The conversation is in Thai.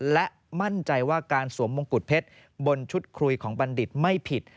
และมั่นใจว่าการสวมมงกุฎเพชรบนชุดคุยของบัณฑิตไม่ผิด